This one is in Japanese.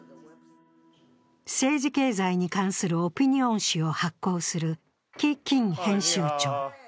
政治経済に関するオピニオン誌を発行する紀欣編集長。